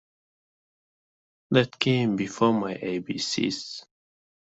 That came before my A B C's.